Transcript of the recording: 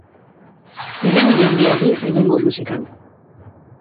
Eragin handia du egungo musikan.